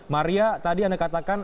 maria tadi anda katakan